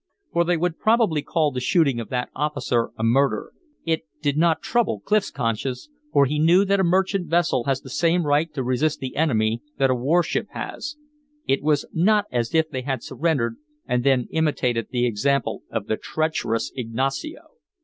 For they would probably call the shooting of that officer a murder; it did not trouble Clif's conscience, for he knew that a merchant vessel has the same right to resist the enemy that a warship has. It was not as if they had surrendered and then imitated the example of the treacherous Ignacio.